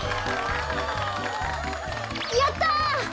やった！